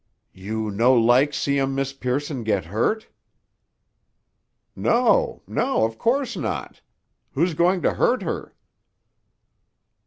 "You no like see um Miss Pearson get hurt?" "No, no; of course not. Who's going to hurt her?"